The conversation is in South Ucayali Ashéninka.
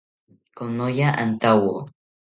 Konoya antawo